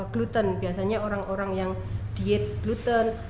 gluten biasanya orang orang yang diet gluten